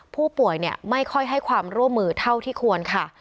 ผู้ป่วยไม่ค่อยให้ความร่วมมือเท่าที่ควรค่ะ